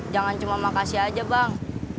jangan cuma makasih aja bang